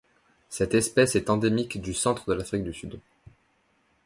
Cette espèce est endémique du centre de l'Afrique du Sud.